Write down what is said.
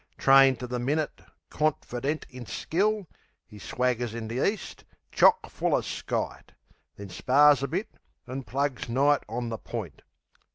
Trained to the minute, confident in skill, 'E swaggers in the East, chock full o' skite; Then spars a bit, an' plugs Night on the point.